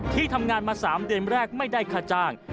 ที่ทำงานมา๓เดือนแรกไม่ได้ค่าจ้าง